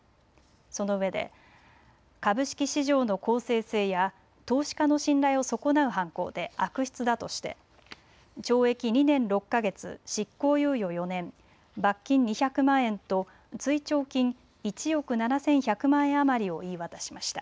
そのうえで株式市場の公正性や投資家の信頼を損なう犯行で悪質だとして懲役２年６か月、執行猶予４年、罰金２００万円と追徴金１億７１００万円余りを言い渡しました。